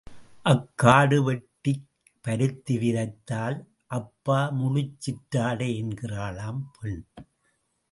அக்காடு வெட்டிக் பருத்தி விதைத்தால், அப்பா முழுச் சிற்றாடை என்கிறாளாம் பெண்.